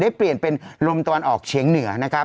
เปลี่ยนเป็นลมตะวันออกเฉียงเหนือนะครับ